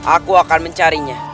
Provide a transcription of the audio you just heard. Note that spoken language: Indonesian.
aku akan mencarinya